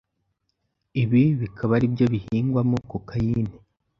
ibi bikaba aribyo bihingwamo cocaine.